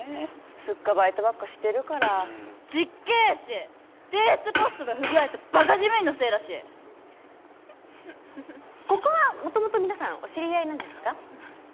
スッカバイトばっかしてるからうんちっげーし提出ポストの不具合とバカ事務員のせいだしここはもともと皆さんお知り合いなんですか？